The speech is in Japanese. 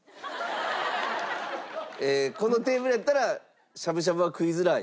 このテーブルやったらしゃぶしゃぶは食いづらい？